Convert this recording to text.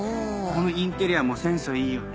このインテリアもセンスいいよね。